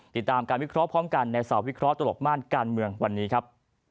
ติดตามการวิเคราะห์พร้อมกันในสาววิเคราะหลบม่านการเมืองวันนี้ครับ